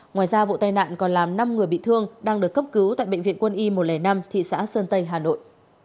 ngoài ra vụ tai nạn còn làm năm người bị thương đang được cấp cứu tại bệnh viện quân y một trăm linh năm thị xã sơn tây hà nội